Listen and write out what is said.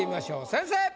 先生！